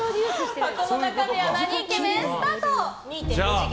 では箱の中身はなにイケメン？スタート！